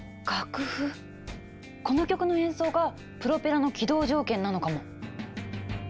この曲の演奏がプロペラの起動条件なのかも。